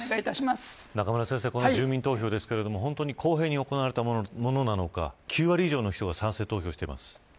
中村先生、この住民投票本当に公平に行われたものなのか９割以上の人が賛成投票をしています。